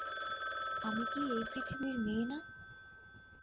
আমি কি এই পৃথিবীর মেয়ে না?